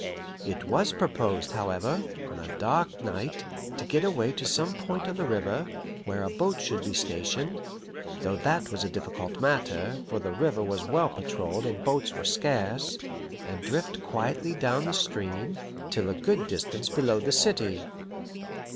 It was proposed, however, on a dark night, to get away to some point on the river, where a boat should be stationed though that was a difficult matter, for the river was well patrolled and boats were scarce and drift quietly down the stream, till a good distance below the city.